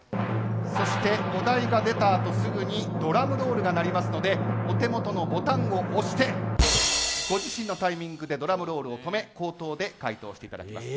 そして、お題が出た後すぐにドラムロールが鳴りますのでお手元のボタンを押してご自身のタイミングでドラムロールを止め口頭で回答していただきます。